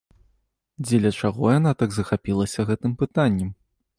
Дзеля чаго яна так захапілася гэтым пытаннем?